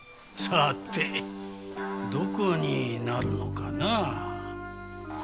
さてどこになるのかな。